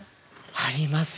あります。